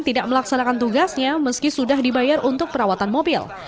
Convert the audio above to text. tidak melaksanakan tugasnya meski sudah dibayar untuk perawatan mobil